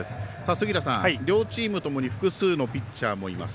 杉浦さん、両チームともに複数のピッチャーもいます。